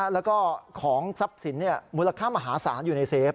แล้วก็ของทรัพย์สินมูลค่ามหาศาลอยู่ในเซฟ